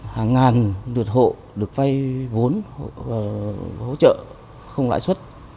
hàng ngàn được hộ được phay vốn hỗ trợ không lại xuất